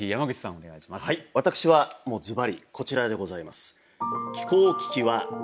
私はもうずばりこちらでございます。